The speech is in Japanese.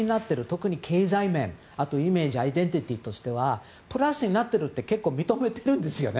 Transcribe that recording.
特に経済面、あとイメージアイデンティティーとしてはプラスになっているって結構認めているんですよね。